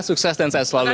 sukses dan selalu